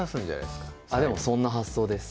でもそんな発想です